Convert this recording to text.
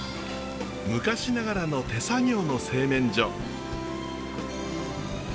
昔ながらの手作業の製麺所。